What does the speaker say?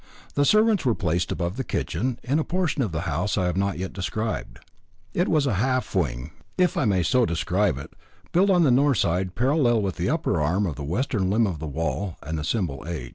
The servants were placed above the kitchen, in a portion of the house I have not yet described. It was a half wing, if I may so describe it, built on the north side parallel with the upper arm of the western limb of the hall and the [Symbol: H].